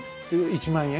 １万円？